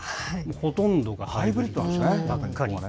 ほとんどがハイブリッドなんですね。